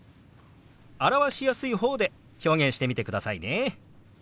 表しやすい方で表現してみてくださいね。